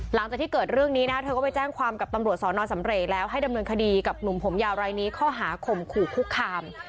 หลังจากที่เกิดเรื่องนี้นะคะเธอก็ไปแจ้งความกับตำรวจสอนอสำเรกแล้วให้ดำเนินคดีกับหนุ่มผมยาวรายนี้ข้อหาข่มขู่คุกคาม